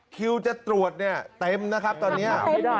คิวจะตรวจเนี่ยเต็มนะครับตอนนี้